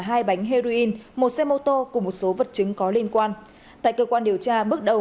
hai bánh heroin một xe mô tô cùng một số vật chứng có liên quan tại cơ quan điều tra bước đầu